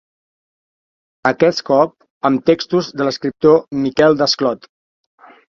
Aquest cop amb textos de l'escriptor Miquel Desclot.